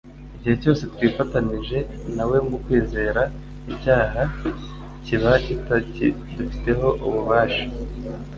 Igihe cyose twifatanije na we mu kwizera, icyaha kiba kitakidufiteho ububasha